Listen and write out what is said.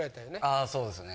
あそうですね。